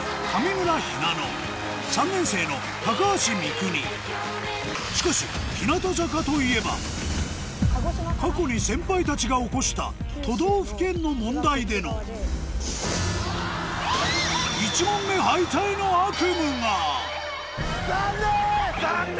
続いてはしかし日向坂といえば過去に先輩たちが起こした都道府県の問題での１問目敗退の悪夢が残念！